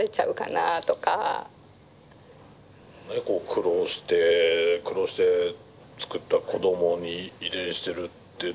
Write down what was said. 苦労して苦労してつくった子供に遺伝してるって。